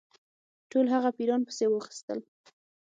ټول هغه پیران پسي واخیستل.